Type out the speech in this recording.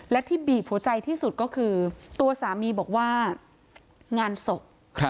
และที่บีบหัวใจที่สุดก็คือตัวสามีบอกว่างานศพ